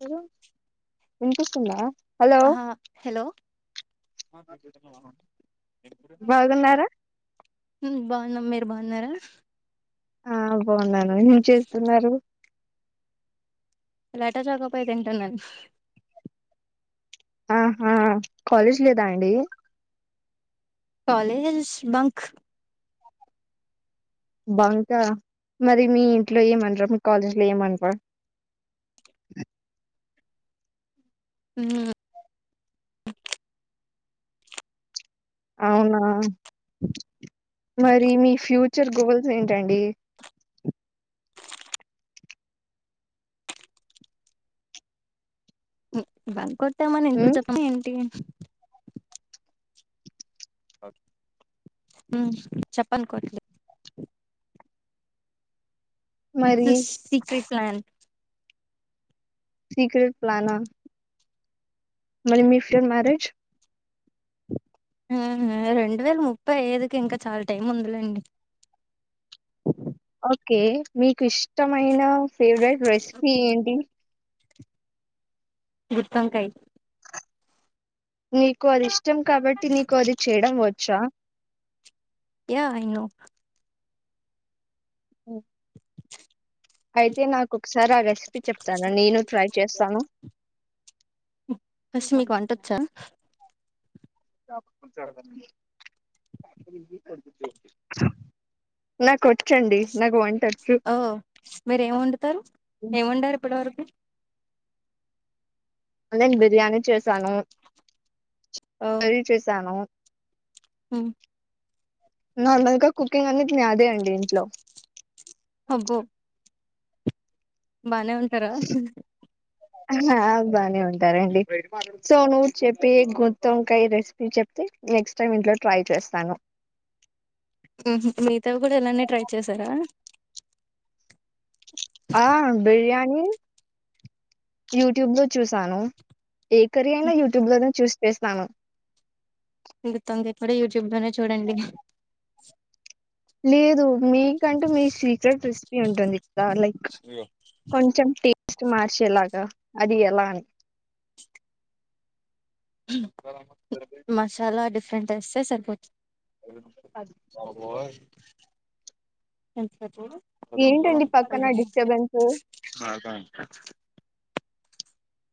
Hello ఇన్పిస్తుందా హ hello బాగున్నారా మ్ బాగున్నాం మీరు బాగున్నారా ఆ బాగున్నాను ఏం చేస్తున్నారు లటోచకపోయ్ తింటున్నాను ఆహా కాలేజ్ లేదా అండి కాలేజ్ష్ బంక్ బంకా మరి మీ ఇంట్లో ఏమనరు మీ కాలేజ్లో ఏమనర మ్మ్ అవునా మరి మీ ఫ్యూచర్ గోల్స్ ఏంటండి మ్ బంక్ కొట్టామని ఇంట్లో ఉమ్ చెప్పం ఏంటి అ ఉమ్ చెప్పనుకోండి ఇట్స్ మరి అ సీక్రెట్ ప్లాన్ సిక్రెట్ ప్లానా మరి మీ ఫ్రైమ్ మ్యారేజ్ ఆ ఆ రెండు వేల ముప్పై ఐదుకి ఇంకా చాలా టైం ఉందిలేండి ఓకే మీకు ఇష్టమైన ఫేవరెట్ రెసిపీ ఏంటి గుత్తోంకాయ్ నీకు అది ఇష్టం కాబట్టి నీకు అది చేయడం వచ్చా యా ఐ నో మ్ అయితే నాకు ఒకసారి ఆ రెసిపీ చెప్తాను నేను ట్రై చేస్తాను ఫస్ట్ మీకు వంటోచ్చ కొంచం అర్ధం అయ్యింది [unintelligible] నాక్ ఒచ్చండి నాకు వం ఓ మీర ఎం వండుతారు ఏం వండారు ఇప్పటి వరకు నేను బిర్యానీ చేసాను కర్రీ చేసాను ఆ నార్మల్గా కుకింగ్ అనేద్ నాదే అండి ఇంట్లో అబ్బో బానే ఉంటారా ఆ బానే ఉంటారండి సో నువ్వు చెప్పి గుత్తోంకాయ రెసిపీ చెప్తే నెక్స్ట్ టైం ఇంట్లో ట్రై చేస్తాను మిగతావి కూడా ఇలానే ట్రై చేశారా ఆ బిర్యానీ యూట్యూబ్ లో చూసాను ఏ కర్రీ అయినా యూట్యూబ్ లోనే చూస్ చేస్తాను ఇ గుత్తోంకాయ కూడా యూట్యూబ్ లోనే చూడండి లేదు మీకంటే మీ సీక్రెట్ రెసిపీ ఉంటది ఆ లైక్ కొంచెం టేస్ట్ మార్చేలాగా అది ఎలా అని మసాలా డిఫరెంట్ ఏస్తే సరిపోతు బాబోయ్ ఏంటో చూడు ఏంటండి పక్కన డిస్టర్బెన్స్ [unintelligible] కాని కాని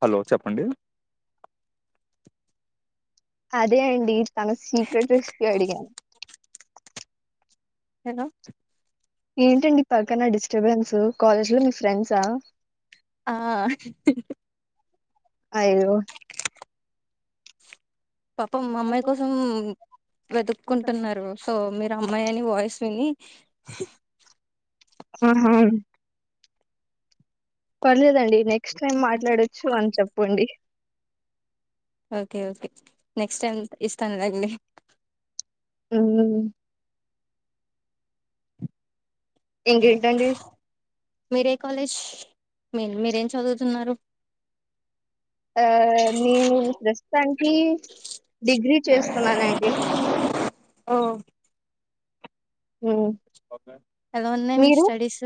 హలో చెప్పండి అదే అండి తను సీక్రెట్ రెసిపీ అడిగాను. హలో ఏంటండి పక్కన డిస్టర్బెన్సు కాలేజ్ లో మీ ఫ్రెండ్సా ఆ అయ్యో పాపం అమ్మాయి కోసం వెళ్తున్నారు వెతుక్కుంటున్నారు. సో మీరు అమ్మాయి అని వాయి విని ఆహా పర్లేదండి నెక్స్ట్ టైం మాట్లాడచ్చు అని చెప్పండి. ఓకే ఓకే నెక్స్ట్ టైమ్ ఇస్తానుదండి. ఉ ఏంటండి‌ మీరే కాలేజ్ మీ మీరేం చదువుతున్నారు. ఆ నేను ప్రస్తుతానికి డిగ్రీ చేస్తున్నాను అండి ఆ ఉమ్, ఎలా ఉన్నాయి మీ మీరు స్టడీస్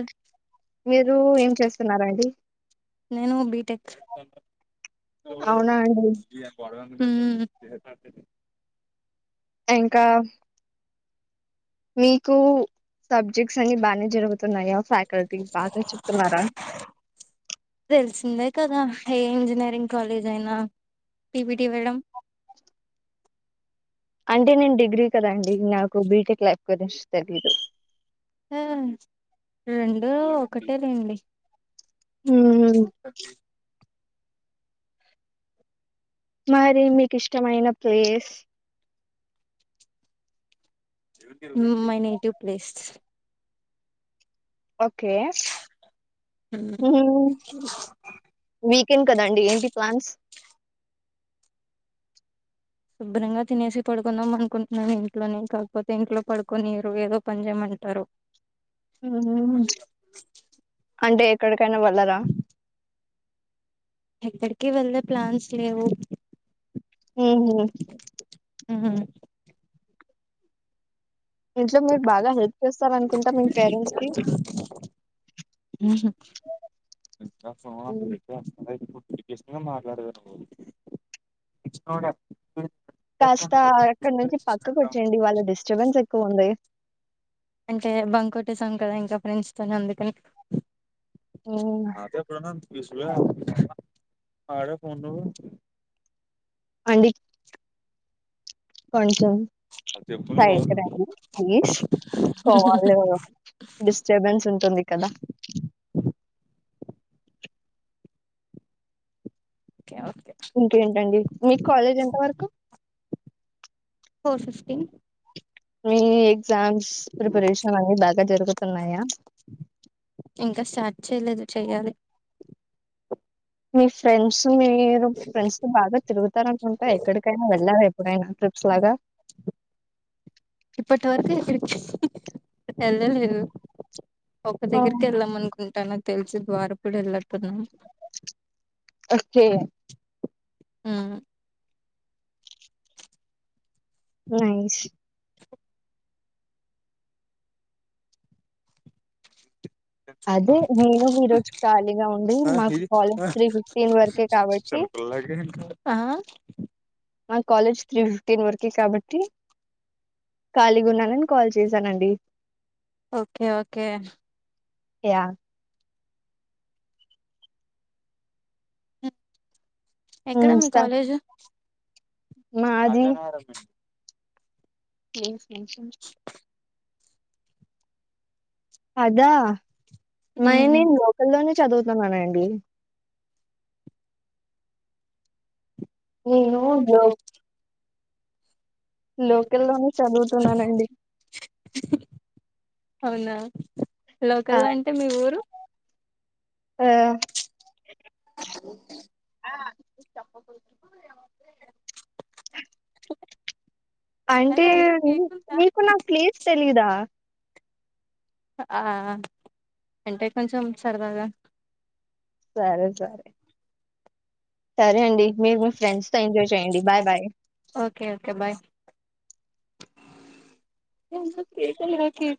మీరు ఏం చేస్తున్నారండి నేను బిటెక్ అవునా అండి [unintelligible] ఊ ఎంకా మీకు సబ్జెక్ట్స్ అన్ని బానే జరుగుతున్నాయా ఫాకల్టీ బాగా చెప్తున్నారా. ఉన్నాయి కదా ఏ ఇంజనీరింగ్ కాలేజ్ అయినా పీపీటి వేయడం [inaudible] అంటే నేను డిగ్రీ కదా అండి. నాకు బీటెక్ లైఫ్ గురించి తెలియదు. ఆ రెండు ఒకటే లేండి. మ్మ్ [unintelligible] మరి మీకు ఇష్టమైన place my native place okay మీ వీకెండ్ కదండి ఏంటి ప్లాన్స్ శుభ్రంగా తినేసి పడుకుందాం అనుకుంటున్నాను ఇంట్లోనే కాకపోతే ఇంట్లో పడుకొనియరు ఏదో పని చేయమని అంటారు హూ అంటే ఎక్కడికైనా వెళ్లరా ఏక్కడికి వెళ్లేే ప్లాన్స్ లేవు హుమ్ ఉ ఇంట్లో మీరు బాగా హెల్ప్ చేస్తారనుకుంటా మీ పేరెంట్స్ కి హూ మ్మ్ టెస్ట్ గా మాట్లాడియ్యకపోవచ్చు. కాస్త అక్కడ నుంచి పక్కకు వచ్చేయండి వాళ్ళ డిస్టర్బెన్స్ ఎక్కువ ఉంది. అంటే బంకోటేసాం కదా ఇంకా ఫ్రెండ్స్తోనే అందుకని మ్మ్ అదే ఎప్పుడుంద మడ ఫోన్ అడి కొంచం సైడ్ కి [unintelligible] సో వాళ్ళు డిస్టర్బెన్స్ ఉంటుంది కదా ఓకే ఓకే ఉంటుందడీ మీకు కాలేజ్ ఎంత వరకు ఫోర్ ఫిఫ్టీన్ మీ ఎగ్జామ్ ప్రిపరేషన్ అన్ని బాగా జరుగుతున్నాయా ఇంకా స్టార్ట్ చేయలేదు చెయ్యాలి మీ ఫ్రెండ్స్ మీరు ఫ్రెండ్స్ తో బాగా తిరుగుత రనుకుంటా ఎక్కడికైనా వెళ్ళారా ఎప్పుడైనా ట్రిప్స్ లాగా ఇప్పటి వరకు ఎక్కడికి వెళ్ళలేదు ఒక దగ్గరికి అవును. వెళ్ళాం అనుకుంటాను తెలిసి ద్వారకుడు వెళ్ళట్టున్నాం ఓకే ఆ నైస్ అదే నేను ఈ రోజు ఖాళీగా ఉండే మాకు కాలజ్ త్రీ ఫిఫ్టీన్ వరకే కాబట్టి మా కాలేజ్ త్రీ ఫిఫ్టీన్ వరకె కాబట్టి ఖాళీగా ఉన్నానని కాల్ చేసానండి ఓకే ఓకే యః ఎక్కడ హ్మ్. మీ స కాలేజు మాది ఏ అదా మై నేను లోకల్లోనే చదువుతున్నాను అండి నేను లో [inaudible] లోకల్ లోకల్‌లోనే చదువుతున్నానండి. అవునా లోకల్ ల అంటే మీ ఊరు ఆ ఓే చప్ప అంటే అరే అందులో కేక్ ఉందా నీకు నా ప్లేస్ తెలీదా ఆ అంటే కొంచెం సరదాగా సరే సరే సరే అండి మీరు మీ ఫ్రెండ్స్‌తో ఎంజాయ్ చేయండి. Bye, bye. Okay okay bye [unintelligible]